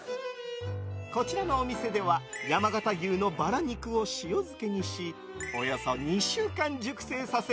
こちらのお店では山形牛のバラ肉を塩漬けにしおよそ２週間熟成させ